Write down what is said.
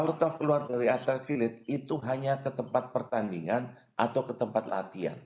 kita keluar dari atlet philip itu hanya ke tempat pertandingan atau ke tempat latihan